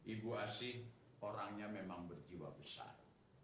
ibu asin orangnya memang berjiwa besar